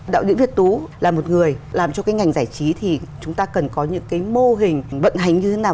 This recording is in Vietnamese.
đạo diễn việt tú là một người làm cho cái ngành giải trí thì chúng ta cần có những cái mô hình vận hành như thế nào